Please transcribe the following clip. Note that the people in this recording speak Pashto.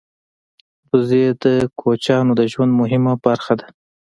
وزې د کوچیانو د ژوند مهمه برخه ده